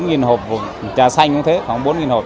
bốn hộp trà xanh cũng thế khoảng bốn hộp